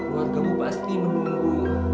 keluarga kamu pasti menunggu